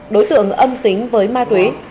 đối tượng âm tính với ma túy